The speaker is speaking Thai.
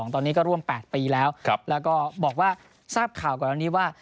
ตอนนี้ก็ร่วม๘ปีแล้วแล้วก็บอกว่าทราบข่าวก่อนอันนี้ว่า